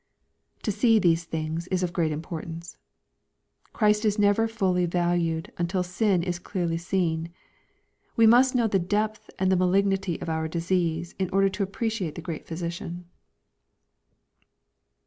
To see these things is of great importance. Christ is never fully valued, until sin is clearly seen. We must know the depth and malignity of our disease, in order to appreciate the great Physician.